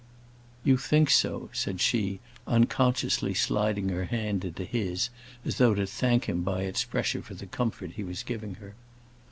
"You think so," said she, unconsciously sliding her hand into his, as though to thank him by its pressure for the comfort he was giving her.